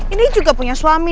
ini juga punya suami